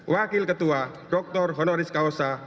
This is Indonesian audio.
wakil ketua dr honoris causa